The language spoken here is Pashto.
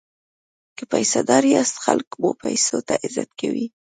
که پیسه داره یاست خلک مو پیسو ته عزت کوي.